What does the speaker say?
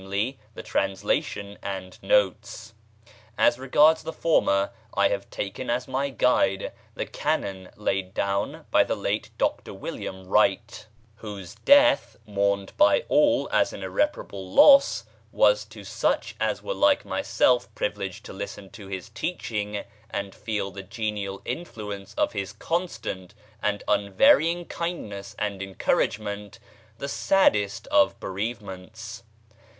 the translation and notes. As regards the former, I have taken as my guide the canon laid down by the late Dr William Wright, whose [page xlix] death, mourned by all as an irreparable loss, was to such as were like myself privileged to listen to his teaching and feel the genial influence of his constant and unvarying kindness and encouragement, the saddest of bereavements.